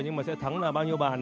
nhưng mà sẽ thắng là bao nhiêu bản